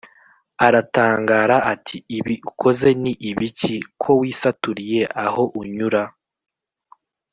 aratangara ati ibi ukoze ni ibiki ko wisaturiye aho unyura